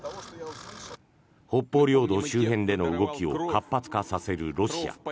北方領土周辺での動きを活発化させるロシア。